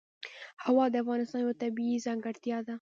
هوا د افغانستان یوه طبیعي ځانګړتیا ده.